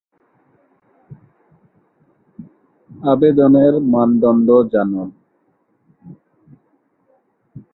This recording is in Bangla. হালকা-পাতলা শরীরটায় বাসা বেঁধে থাকতে পারে রক্তশূন্যতা, ঝামেলা থাকতে পারে পরিপাকের।